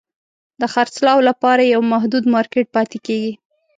د خرڅلاو لپاره یو محدود مارکېټ پاتې کیږي.